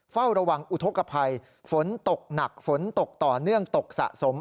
เฝ้าระวังอุทธกภัยฝนตกหนักฝนตกต่อเนื่องตกสะสม